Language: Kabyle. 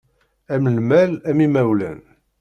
Am lmal, am imawlan.